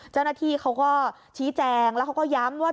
เจ้าหน้าที่เขาก็ชี้แจงแล้วเขาก็ย้ำว่า